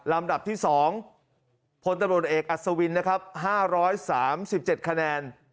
ลำดับที่๒พลตำรวจเอกอัศวินนะครับ๕๓๗คะแนน